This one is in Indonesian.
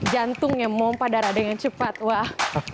jantungnya memompah darah dengan cepat wah